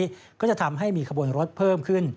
สำหรับแฟนการทำให้มีขบวนรถเพิ่มขึ้น